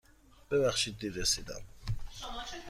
ببخشید دیر رسیدم.